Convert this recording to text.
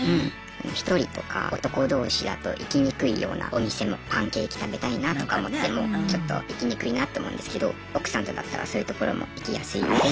１人とか男同士だと行きにくいようなお店もパンケーキ食べたいなとか思ってもちょっと行きにくいなって思うんですけど奥さんとだったらそういうところも行きやすいので。